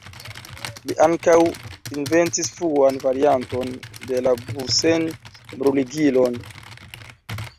Li ankaŭ inventis fruan varianton de la Bunsen-bruligilon.